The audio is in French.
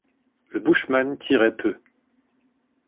Le bushman tirait peu.